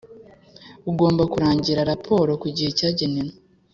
Ugomba gurangira raporo ku gihe cyagenwe